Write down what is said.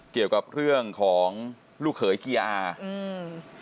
เกี่ยวกับเรื่องของลูกเขยเกียร์อาอืม